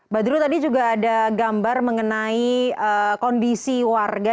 ba dulu tadi juga ada gambar mengenai kondisi warga